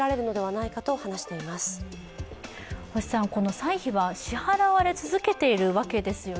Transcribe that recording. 歳費は支払われ続けているわけですよね。